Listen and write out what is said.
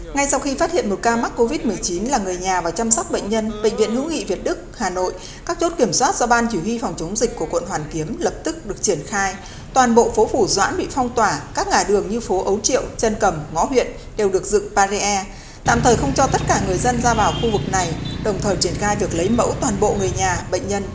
ngay sau khi phát hiện một ca mắc covid một mươi chín là người nhà và chăm sóc bệnh nhân bệnh viện hướng nghị việt đức hà nội các chốt kiểm soát do ban chủ y phòng chống dịch của quận hoàn kiếm lập tức được triển khai toàn bộ phố phủ doãn bị phong tỏa các ngải đường như phố ấu triệu trân cầm ngõ huyện đều được dựng parier tạm thời không cho tất cả người dân ra vào khu vực này đồng thời triển khai việc lấy mẫu toàn bộ người nhà bệnh nhân bệnh nhân